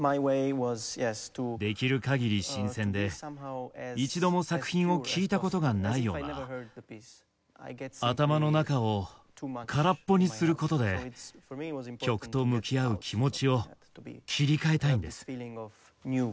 できる限り新鮮で一度も作品を聴いた事がないような頭の中を空っぽにする事で曲と向き合う気持ちを切り替えたいんです。